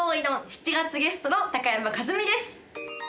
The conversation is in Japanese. ７がつゲストの高山一実です。